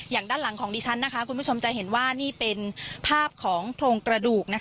ด้านหลังของดิฉันคุณผู้ชมจะเห็นว่านี่เป็นภาพของโครงกระดูก